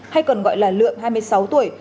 hay còn gọi là lượng hai mươi sáu tuổi